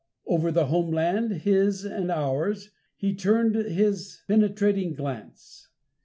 Over the home land, his and ours, he turned his penetrating glance.